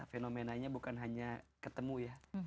fenomenanya bukan hanya ketemu ya